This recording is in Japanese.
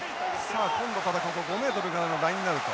さあ５ｍからのラインアウト。